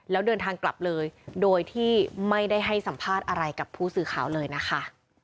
แล้วเดินทางกลับเลยโดยที่ไม่ได้ให้สัมภาษณ์อะไรกับผู้สื่อข่าวเลยนะคะ